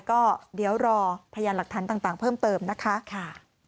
ก็เดี๋ยวรอพยานหลักฐานต่างเพิ่มเติมนะคะ